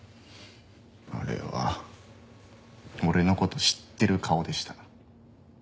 あれは俺の事知ってる顔でした。